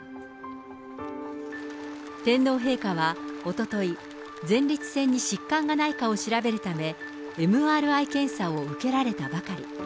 天皇陛下はおととい、前立腺に疾患がないかを調べるため、ＭＲＩ検査を受けられたばかり。